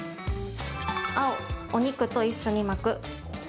青・お肉と一緒に巻く。